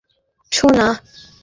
মাফ করবে, সোনা।